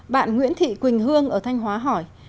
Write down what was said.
bạn nguyễn thị quỳnh hương ở thanh hóa hỏi